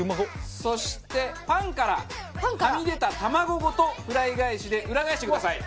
そしてパンからはみ出た卵ごとフライ返しで裏返してください。